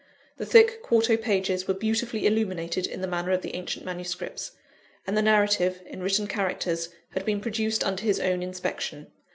The thick quarto pages were beautifully illuminated in the manner of the ancient manuscripts; and the narrative, in written characters, had been produced under his own inspection.